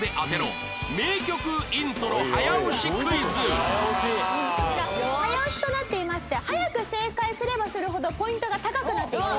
こちら早押しとなっていまして早く正解すればするほどポイントが高くなっていきます。